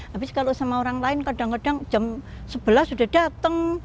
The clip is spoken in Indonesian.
habis kalau sama orang lain kadang kadang jam sebelas sudah datang